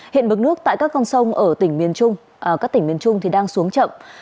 hiện bức nước tại các con sông ở tỉnh miền trung đang xuống chậm